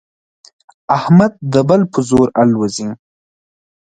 احمد د بل په زور الوزي.